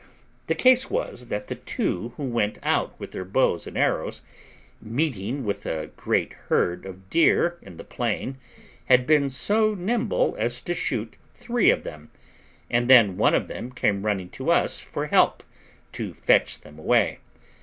The case was, that the two who went out with their bows and arrows, meeting with a great herd of deer in the plain, had been so nimble as to shoot three of them, and then one of them came running to us for help to fetch them away.